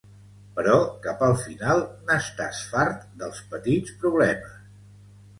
Però, cap al final, n'estàs fart dels petits problemes.